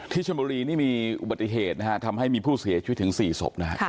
ที่เชมอบรีมีอุบัติเหตุทำให้มีผู้เสียชุดถึง๔ศพ